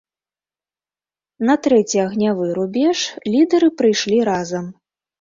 На трэці агнявы рубеж лідэры прыйшлі разам.